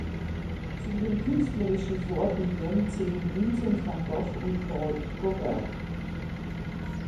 Zu ihren künstlerischen Vorbildern zählen Vincent van Gogh und Paul Gauguin.